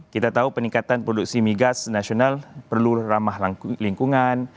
kita tahu peningkatan produksi migas nasional perlu ramah lingkungan